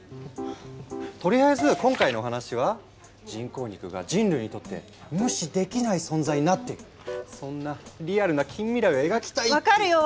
とりあえず今回のお話は人工肉が人類にとって無視できない存在になっているそんなリアルな近未来を描きたいっていう。